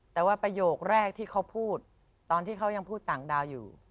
แต่ว่าประโยคแรกที่เขาพูดตอนที่เขายังพูดต่างดาวอยู่